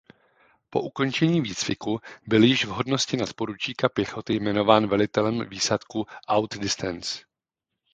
Po ukončení výcviku byl již v hodnosti nadporučíka pěchoty jmenován velitelem výsadku Out Distance.